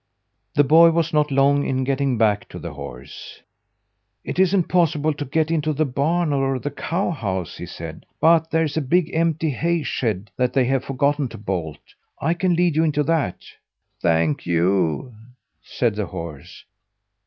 The boy was not long in getting back to the horse. "It isn't possible to get into the barn or the cow house," he said, "but there's a big, empty hay shed that they have forgotten to bolt. I can lead you into that." "Thank you!" said the horse.